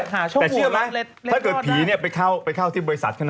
แต่เชื่อไหมถ้าเกิดผีไปเข้าที่บริษัท